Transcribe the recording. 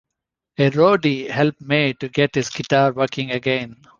A roadie helped May to get his guitar working again.